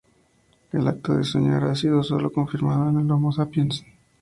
El acto de soñar ha sido sólo confirmado en el "Homo sapiens".